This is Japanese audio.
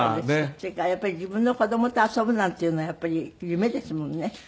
それからやっぱり自分の子供と遊ぶなんていうのはやっぱり夢ですものね。